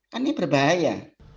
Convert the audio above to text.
kan ini berbahaya